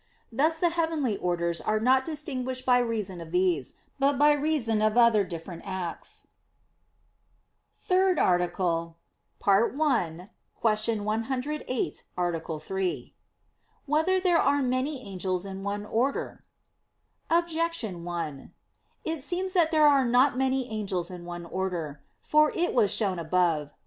Thus the heavenly orders are not distinguished by reason of these, but by reason of other different acts. _______________________ THIRD ARTICLE [I, Q. 108, Art. 3] Whether There Are Many Angels in One Order? Objection 1: It seems that there are not many angels in one order. For it was shown above (Q.